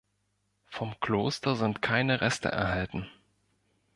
Vom Kloster sind keine Reste erhalten.